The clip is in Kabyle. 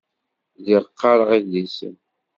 Lliɣ qqareɣ idlisen.